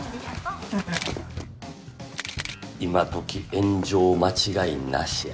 今どき炎上間違いなしや。